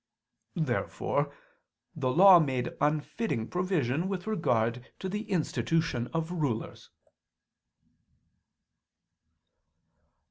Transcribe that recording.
Therefore the Law made unfitting provision with regard to the institution of rulers.